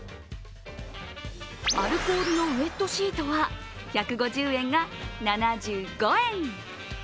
アルコールのウェットシートは１５０円が７５円。